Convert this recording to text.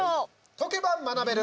解けば学べる！